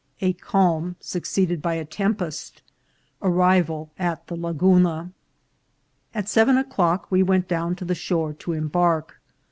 — A Calm, succeeded by a Tempest — Arrival at the Laguna. AT seven o'clock we went down to the shore to embark.